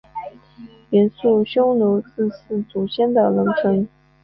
元朔匈奴祭祀祖先的龙城。